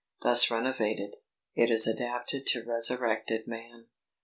Thus renovated, it is adapted to resurrected man.